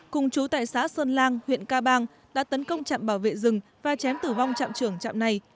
cùng chú tại xã sơn lang huyện ca bang đã tấn công trạm bảo vệ rừng và chém tử vong trạm trưởng trạm này